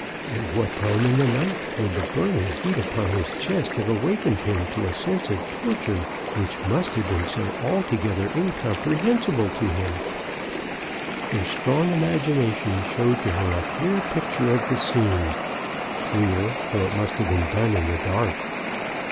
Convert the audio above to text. At what time in the night would the burning heat upon his chest have awak ened him to a sense of torture which must MRS. BROWN ATTEMPTS TO ESCAPE. 4 1 have been so altogether incomprehensible to him ? Her strong imagination showed to her a clear picture of the scene — clear, though it must have been done in the dark.